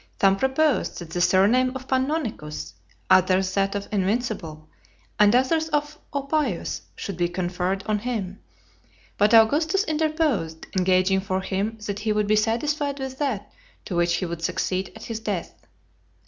Some proposed that the surname of "Pannonicus," others that of "Invincible," and others, of "O Pius," should be conferred on him; but Augustus interposed, engaging for him that he would be satisfied with that to which he would succeed at his death.